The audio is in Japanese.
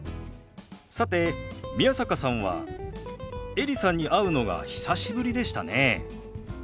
さて宮坂さんはエリさんに会うのが久しぶりでしたね。